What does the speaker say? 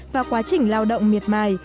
và quá trình lao động miệt mài